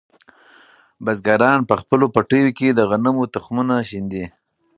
بزګران په خپلو پټیو کې د غنمو تخمونه شیندي.